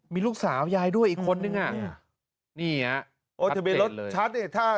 มีลูกสาวยายด้วยอีกคนนึงอ่ะนี่อ่ะ